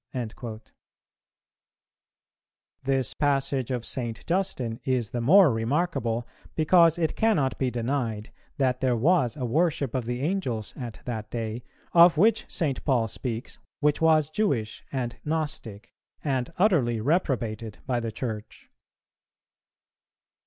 "[415:1] This passage of St. Justin is the more remarkable, because it cannot be denied that there was a worship of the Angels at that day, of which St. Paul speaks, which was Jewish and Gnostic, and utterly reprobated by the Church.